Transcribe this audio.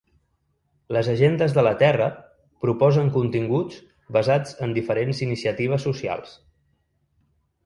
Les agendes ‘de la terra’ proposen continguts basats en diferents iniciatives socials.